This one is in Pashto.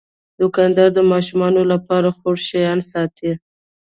دوکاندار د ماشومانو لپاره خوږ شیان ساتي.